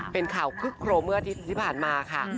เป็นข่าวคึกโครมเมื่ออาทิตย์ที่ผ่านมาค่ะ